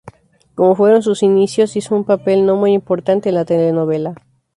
Como fueron sus inicios hizo un papel no muy importante en la telenovela.